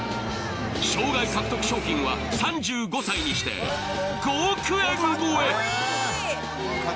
生涯獲得賞金は３５歳にして５億円超え。